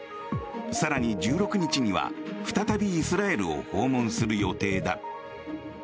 更に、１６日には再びイスラエルを訪問する予定だ。